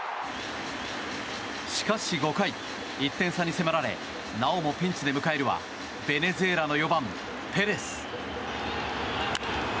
しかし、５回１点差に迫られなおもピンチで迎えるはベネズエラの４番、ペレス。